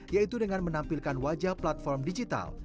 yaitu dengan menampilkan wajah platform digital